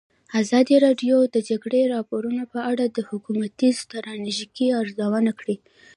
ازادي راډیو د د جګړې راپورونه په اړه د حکومتي ستراتیژۍ ارزونه کړې.